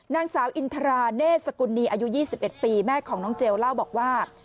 นางสาวอินทราเนธสกุลนีอายุ๒๑ปีแม่ของน้องเจลเล่าบอกว่า